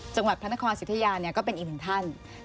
จังหวัดพระนครสิทธิยาก็เป็นอีกหนึ่งท่าน